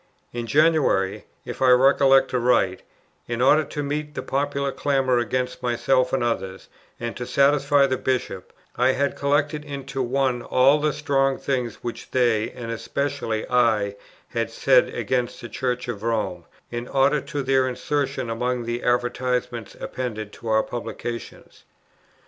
In January, if I recollect aright, in order to meet the popular clamour against myself and others, and to satisfy the Bishop, I had collected into one all the strong things which they, and especially I, had said against the Church of Rome, in order to their insertion among the advertisements appended to our publications.